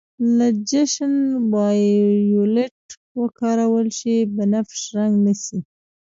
که جنشن وایولېټ وکارول شي بنفش رنګ نیسي.